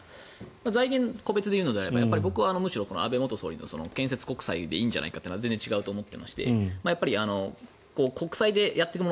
財源個別でいうのであれば安倍元総理の建設国債でいいんじゃないかというのは全然違うと思っていまして国債でやっていくもの